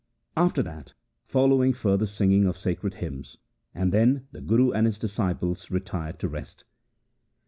After that followed further singing of sacred hymns, and then the Guru and his disciples retired to rest.